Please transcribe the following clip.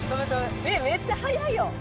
めっちゃ速い。